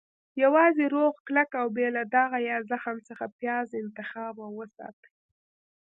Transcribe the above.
- یوازې روغ، کلک، او بې له داغه یا زخم څخه پیاز انتخاب او وساتئ.